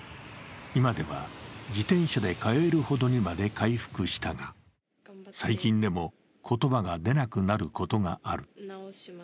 今では自転車で通えるほどにまで回復したが最近でも、言葉が出なくなることがある。